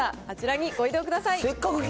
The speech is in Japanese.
あちらにご移動ください。